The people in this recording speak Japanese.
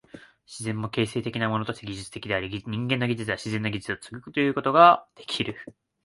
自然も形成的なものとして技術的であり、人間の技術は自然の技術を継ぐということができる。